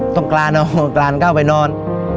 ตรงกลานออกกลานเข้าไปนอน